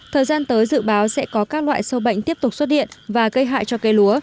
thời gian tới dự báo sẽ có các loại sâu bệnh tiếp tục xuất hiện và gây hại cho cây lúa